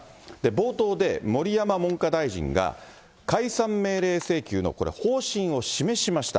冒頭で、盛山文科大臣が、解散命令請求の、これ、方針を示しました。